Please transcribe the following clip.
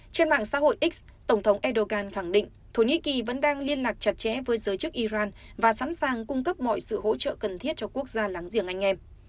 trên mạng xã hội x tổng thống erdogan khẳng định thổ nhĩ kỳ vẫn đang liên lạc chặt chẽ với giới chức iran và sẵn sàng cung cấp mọi sự hỗ trợ cần thiết cho quốc gia láng giềng anh em